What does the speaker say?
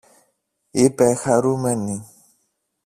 είπε χαρούμενη